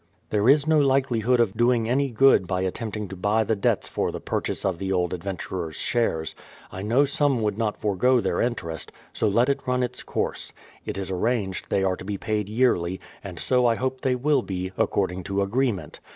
There is no likeUhood of doing any good by attempting to buy the debts for the purchase of the old adventurer's shares. I know some would not forego their interest, so let it run its course ; it is arranged they are to be paid yearly, and so I hope they will be, according to agreement.